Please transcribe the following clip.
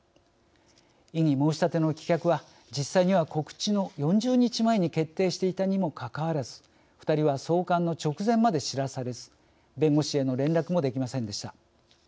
異議申し立ての棄却は実際には告知の４０日前に決定していたにもかかわらず２人は送還の直前まで知らされず弁護士への連絡もできませんでした。